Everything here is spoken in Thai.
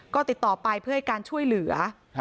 ก็ติดต่อไปเพื่อให้การช่วยเหลือ